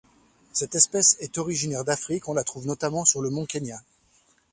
Cette espèce est originaire d'Afrique, on la trouve notamment sur le Mont Kenya.